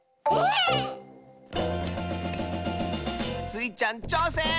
⁉スイちゃんちょうせん！